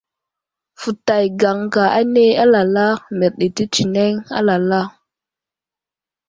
Fətay gaŋka ane alala mərdi tətsəneŋ alala.